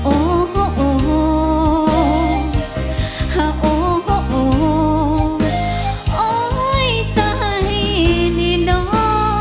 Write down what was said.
โอ้โฮโอ้โฮโอ้ยใจนี่น้อง